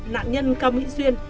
nạn nhân cao mỹ duyên